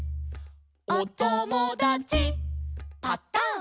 「おともだちパタン」